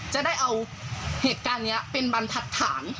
จะได้เอาเหตุการณ์นี้เป็นบรรทัศน